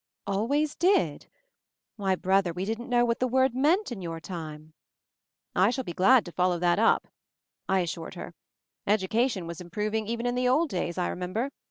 "Always did? Why brother, we didn't know what the word meant in your time." "I shall be glad to follow that up," I as sured her. "Education was improving even in the old days, I remember.